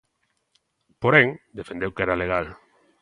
Porén, defendeu que era legal.